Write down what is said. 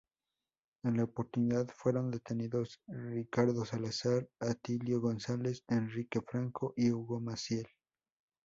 En la oportunidad, fueron detenidos Ricardo Salazar, Atilio González, Enrique Franco y Hugo Maciel.